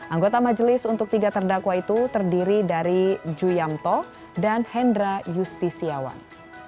anggota majelis untuk tiga terdakwa itu terdiri dari ju yamto dan hendra justisiawan